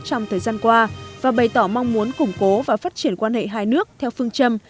trong thời gian qua và bày tỏ mong muốn củng cố và phát triển quan hệ hai nước theo phương châm